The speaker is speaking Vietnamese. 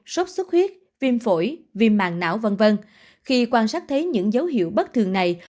sốc xuất huyết viêm phổi viêm màng não v v khi quan sát thấy những dấu hiệu bất thường này